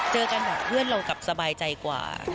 เจอกันแบบเพื่อนเรากลับสบายใจกว่า